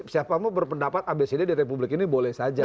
siapa mau berpendapat abcd di republik ini boleh saja